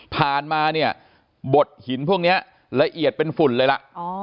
มาเนี่ยบดหินพวกนี้ละเอียดเป็นฝุ่นเลยล่ะ